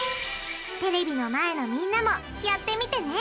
テレビの前のみんなもやってみてね。